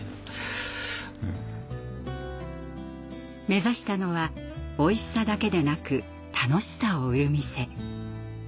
目指したのはおいしさだけでなく楽しさを売る店。